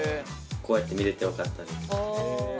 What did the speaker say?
こうやって見れてよかったです。